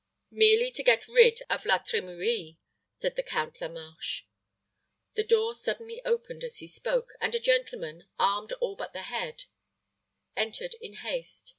"Merely to get rid of La Trimouille," said the Count La Marche. The door suddenly opened as he spoke, and a gentleman, armed all but the head, entered in haste.